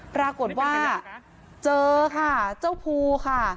ปรากฏว่าเจอค่ะเจ้าภูค่ะ